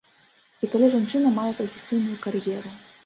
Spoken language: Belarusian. І калі жанчына мае прафесійную кар'еру.